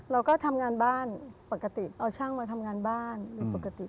เราก็ทำงานบ้านปกติเอาช่างมาทำงานบ้านโดยปกติ